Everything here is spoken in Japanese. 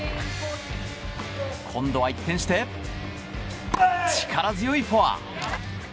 今度は一転して力強いフォア！